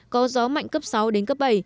có gió mạnh cấp sáu đến cấp bảy